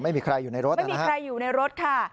ไม่มีใครอยู่ในรถค่ะ